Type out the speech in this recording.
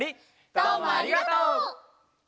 どうもありがとう！